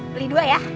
beli dua ya